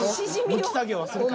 剥き作業はするから。